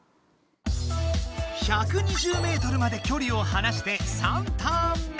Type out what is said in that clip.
１２０ｍまできょりをはなして３ターン目。